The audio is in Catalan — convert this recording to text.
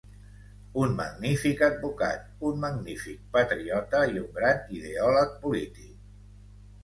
Un magnífic advocat, un magnífic patriota i un gran ideòleg polític.